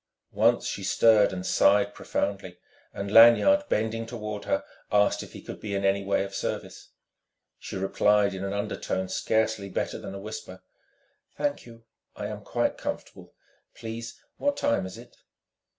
Once she stirred and sighed profoundly; and Lanyard, bending toward her, asked if he could be in any way of service. She replied in an undertone scarcely better than a whisper: "Thank you, I am quite comfortable.... Please what time is it?"